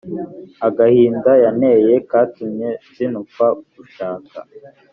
Agahinda yanteye, katumye nzinukwa gushaka